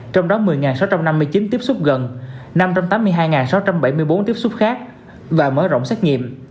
trong đó một mươi sáu trăm năm mươi chín tiếp xúc gần năm trăm tám mươi hai sáu trăm bảy mươi bốn tiếp xúc khác và mở rộng xét nghiệm